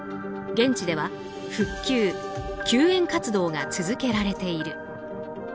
現地では復旧、救援活動が続けられている。